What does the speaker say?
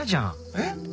えっ？